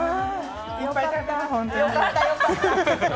よかった、よかった。